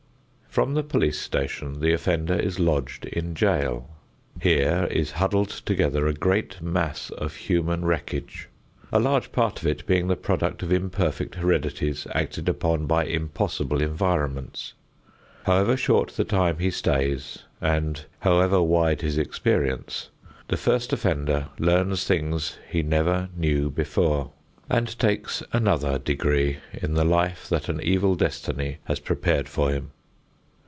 From the police station the offender is lodged in jail. Here is huddled together a great mass of human wreckage, a large part of it being the product of imperfect heredities acted upon by impossible environments. However short the time he stays, and however wide his experience, the first offender learns things he never knew before, and takes another degree in the life that an evil destiny has prepared for him.